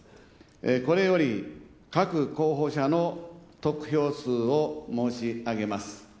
これより、各候補者の得票数を申し上げます。